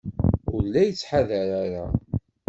Ur la yettḥadar ara.